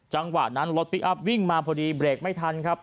จังหวะนั้นรถพลิกอัพวิ่งมาพอดีเบรกไม่ทันครับ